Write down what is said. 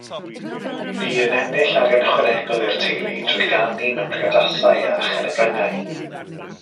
Bu yn ennill arian ychwanegol i'r teulu trwy ganu mewn priodasau a chynebryngau.